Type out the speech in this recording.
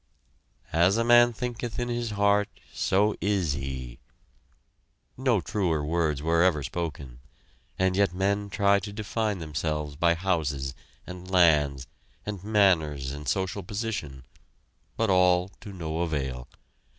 "As a man thinketh in his heart, so is he!" No truer words were ever spoken, and yet men try to define themselves by houses and lands and manners and social position, but all to no avail.